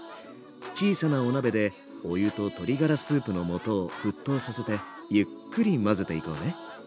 小さなお鍋でお湯と鶏ガラスープの素を沸騰させてゆっくり混ぜていこうね。